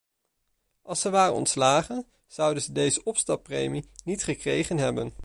Als ze waren ontslagen, zouden ze deze opstappremie niet gekregen hebben.